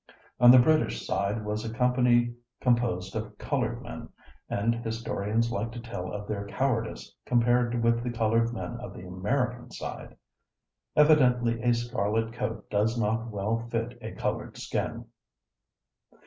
On the British side was a company composed of colored men, and historians like to tell of their cowardice compared with the colored men of the American side. Evidently a scarlet coat does not well fit a colored skin.